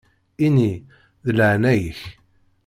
Ini: « deg leεna-yak».